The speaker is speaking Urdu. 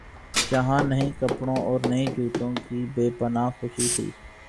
جہاں نئے کپڑوں اورنئے جوتوں کی بے پنا ہ خوشی تھی۔